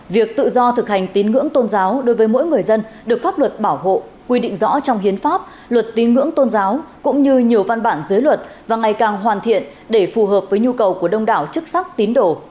việc tự do thực hành tín ngưỡng tôn giáo đối với mỗi người dân được pháp luật bảo hộ quy định rõ trong hiến pháp luật tín ngưỡng tôn giáo cũng như nhiều văn bản giới luật và ngày càng hoàn thiện để phù hợp với nhu cầu của đông đảo chức sắc tín đổ